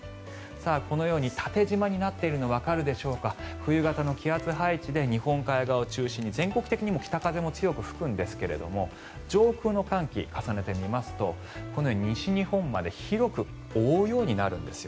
このように縦じまになっているのがわかるでしょうか冬型の気圧配置で日本海側を中心に全国的にも北風も強く吹くんですが上空の寒気を重ねてみますとこのように西日本まで広く覆うようになるんです。